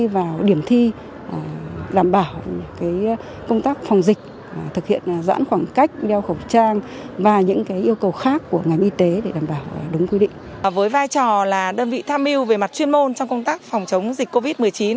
với vai trò là đơn vị tham mưu về mặt chuyên môn trong công tác phòng chống dịch covid một mươi chín